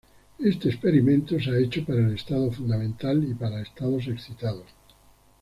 Este experimento se ha hecho para el estado fundamental y para estados excitados.